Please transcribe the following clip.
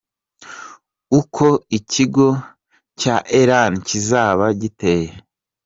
Uko iki kigo cya Ellen kizaba giteye.